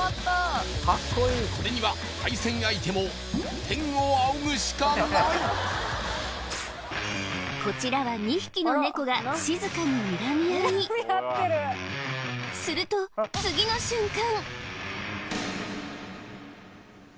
これには対戦相手も天を仰ぐしかないこちらは２匹のネコが静かにすると次の瞬間！